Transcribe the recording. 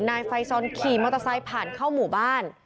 นายไฟซอนขี่มอเตอร์ไซค์ผ่านเข้าหมู่บ้าน